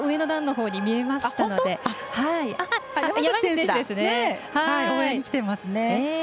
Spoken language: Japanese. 山口選手、応援に来ていますね。